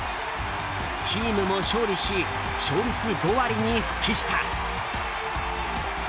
チームも勝利し勝率５割に復帰した。